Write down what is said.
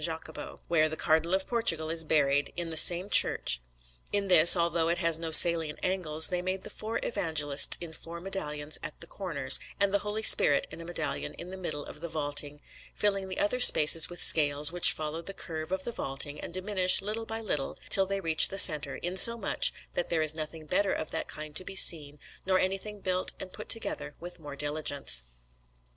Jacopo, where the Cardinal of Portugal is buried, in the same church. In this, although it has no salient angles, they made the four Evangelists in four medallions at the corners, and the Holy Spirit in a medallion in the middle of the vaulting, filling the other spaces with scales which follow the curve of the vaulting and diminish little by little till they reach the centre, insomuch that there is nothing better of that kind to be seen, nor anything built and put together with more diligence.